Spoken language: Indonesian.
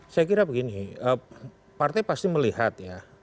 saya kira begini partai pasti melihat ya